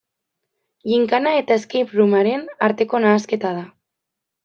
Ginkana eta escape room-aren arteko nahasketa da.